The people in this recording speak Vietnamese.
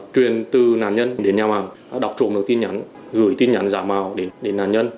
truyền từ nạn nhân đến nhà mạng đọc trộm được tin nhắn gửi tin nhắn ra mạng